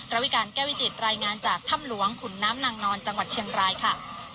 วิการแก้วิจิตรายงานจากถ้ำหลวงขุนน้ำนางนอนจังหวัดเชียงรายค่ะ